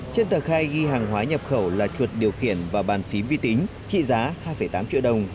trên tờ khai ghi hàng hóa nhập khẩu là chuột điều khiển và bàn phím vi tính trị giá hai tám triệu đồng